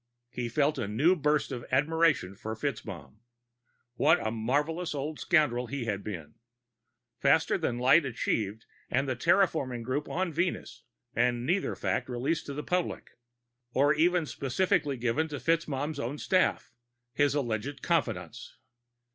He felt a new burst of admiration for FitzMaugham. What a marvelous old scoundrel he had been! Faster than light achieved, and the terraforming group on Venus, and neither fact released to the public ... or even specifically given to FitzMaugham's own staff, his alleged confidants.